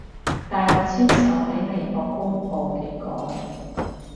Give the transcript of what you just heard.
大陸簽售喺微博公佈結果